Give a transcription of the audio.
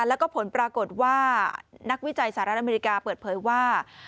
แล้วก็ผลปรากฏว่านักวิจัยสหรัฐอเมริกาเปิดเผยว่า